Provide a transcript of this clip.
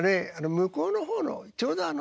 向こうの方のちょうどあの。